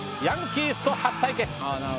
ヤンキースと初対決。